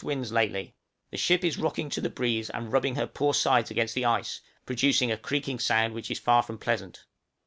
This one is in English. winds lately, the ship rocking to the breeze, and rubbing her poor sides against the ice, producing a creaking sound which is far from pleasant.